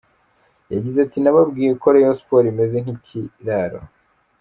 Yagize ati “Nababwiye ko Rayon Sports imeze nk’ikiraro.